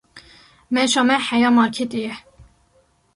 Meşa me heya marketê ye.